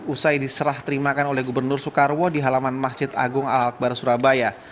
usai diserah terimakan oleh gubernur soekarwo di halaman masjid agung al akbar surabaya